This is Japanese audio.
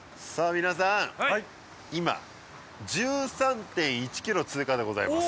皆さん今１３．１ｋｍ通過でございます